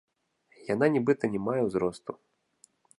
Яна нібыта не мае ўзросту.